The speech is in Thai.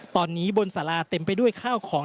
ตอนนี้บนสาราเต็มไปด้วยข้าวของ